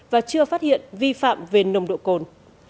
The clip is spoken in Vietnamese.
và chưa phát hiện vi phạm về nồng độ cồn